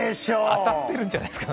当たってるんじゃないですか？